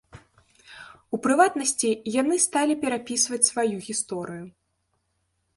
У прыватнасці, яны сталі перапісваць сваю гісторыю.